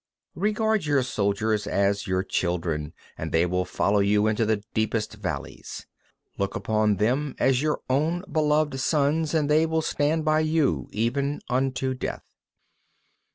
25. Regard your soldiers as your children, and they will follow you into the deepest valleys; look on them as your own beloved sons, and they will stand by you even unto death.